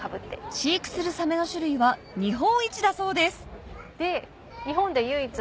飼育するサメの種類は日本一だそうです